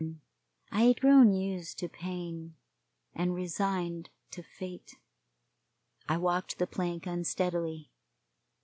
I had grown used to pain and resigned to fate. I walked the plank unsteadily.